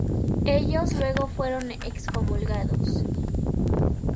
Ellos luego fueron excomulgados.